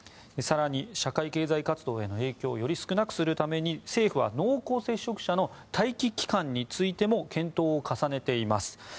更に社会経済活動への影響をより少なくするために政府は濃厚接触者の待機期間についても検討を重ねています。